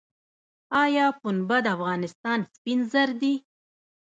آیا پنبه د افغانستان سپین زر دي؟